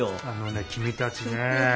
あのね君たちねえ。